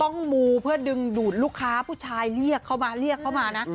ต้องมูเพื่อดึงดุดลูกค้าผู้ชายเรียกเขามานะ